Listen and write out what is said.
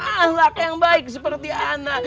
ahlak yang baik seperti anak